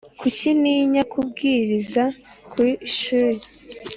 kuki ntinya kubwiriza ku ishuri